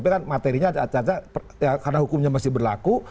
karena hukumnya masih berlaku